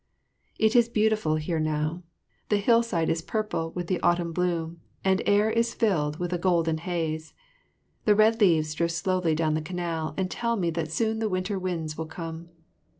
It is beautiful here now. The hillside is purple with the autumn bloom and air is filled with a golden haze. The red leaves drift slowly down the canal and tell me that soon the winter winds will come.